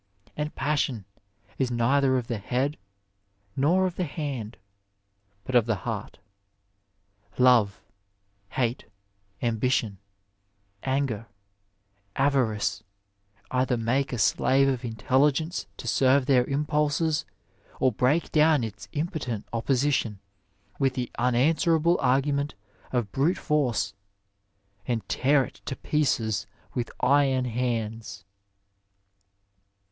And passion is neither of the head nor of the hand, but of the heart. Love, hate, ambi tion, anger, avarice, either make a slave of intelligence to serve their impulses, or break down its impotent opposition Digitized by VjOOQiC THE LEAVEN OF SCIENCE with the unanswerable argument of brute force, and tear it to pieces with iron hands."